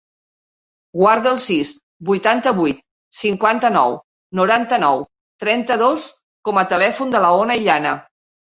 Guarda el sis, vuitanta-vuit, cinquanta-nou, noranta-nou, trenta-dos com a telèfon de l'Ona Illana.